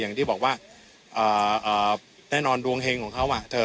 อย่างที่บอกว่าแน่นอนดวงเฮงของเขา